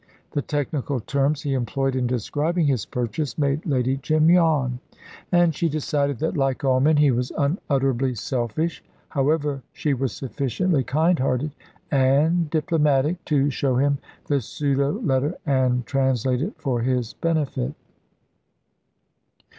The technical terms he employed in describing his purchase made Lady Jim yawn, and she decided that, like all men, he was unutterably selfish. However, she was sufficiently kind hearted and diplomatic to show him the pseudo letter, and translate it for his benefit.